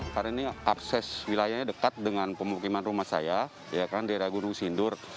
karena ini akses wilayahnya dekat dengan pemukiman rumah saya ya kan di raguru sindur